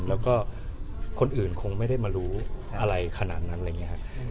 แล้วก็คนอื่นคงไม่ได้มารู้อะไรขนาดนั้นอะไรอย่างนี้ครับ